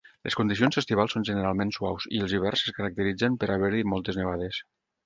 Les condicions estivals són generalment suaus i els hiverns es caracteritzen per haver-hi moltes nevades.